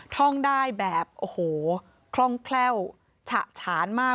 ท่องได้แบบโอ้โหคล่องแคล่วฉะฉานมาก